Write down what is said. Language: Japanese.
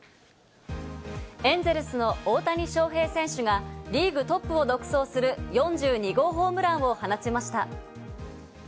エンゼルスの大谷翔平選手がリーグトップを独走する４２号ホームランを放ちました。